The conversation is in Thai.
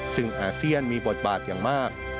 ซึ่งอาเซียนมีบทบาทอย่างมาก